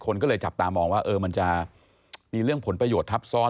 คนก็เลยจับตามองว่ามันจะมีเรื่องผลประโยชน์ทับซ้อน